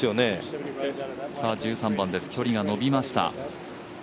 １３番です、距離が伸びました。